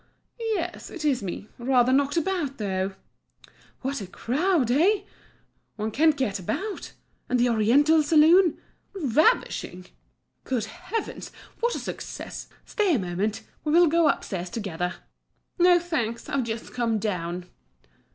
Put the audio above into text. "Yes, it's me, rather knocked about though." "What a crowd—eh? One can't get about. And the oriental saloon?" "Ravishing!" "Good heavens! what a success! Stay a moment, we will go upstairs together." "No, thanks, I've just come down."